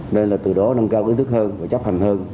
nên là từ đó nâng cao ý thức hơn và chấp hành hơn